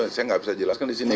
saya gak bisa jelaskan disini